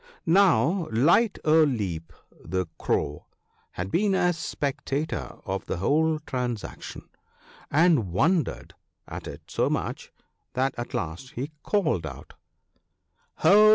Now Light o' Leap, the Crow, had been a spectator of the whole transaction, and wondered at it so much that at last he called out, ' Ho